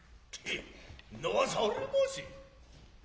成されませ。